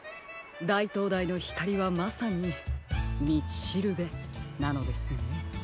だいとうだいのひかりはまさに「みちしるべ」なのですね。